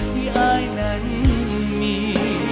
ที่อายนั้นมี